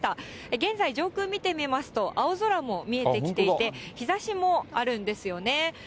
現在、上空見てみますと、青空も見えてきていて、日ざしもあるんですよね。